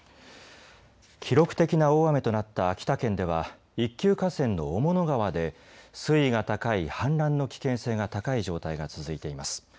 記録的な大雨となった秋田県では一級河川の雄物川で水位が高い氾濫の危険性が高い状態が続いています。